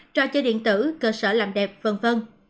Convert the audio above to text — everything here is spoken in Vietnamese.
trò chơi điện tử cơ sở làm đẹp v v